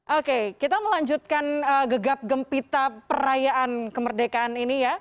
oke kita melanjutkan gegap gempita perayaan kemerdekaan ini ya